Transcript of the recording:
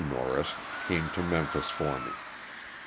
Norris, came to Memphis for me.